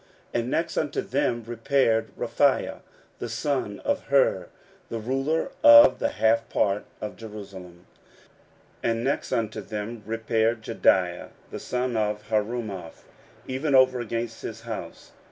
16:003:009 And next unto them repaired Rephaiah the son of Hur, the ruler of the half part of Jerusalem. 16:003:010 And next unto them repaired Jedaiah the son of Harumaph, even over against his house.